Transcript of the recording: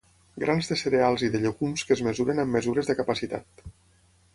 Grans de cereals i de llegums que es mesuren amb mesures de capacitat.